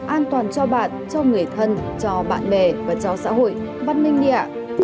an toàn cho bạn cho người thân cho bạn bè và cho xã hội văn minh đi ạ